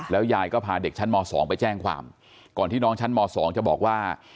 ยายก็พาเด็กชั้นม๒ไปแจ้งความก่อนที่น้องชั้นม๒จะบอกว่า